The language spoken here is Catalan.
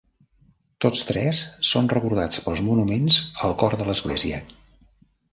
Tots tres són recordats pels monuments al cor de l"església.